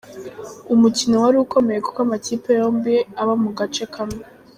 Umukino wari ukomeye kuko amakipe yombi aba mu gace kamwe.